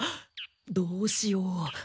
どうしよう？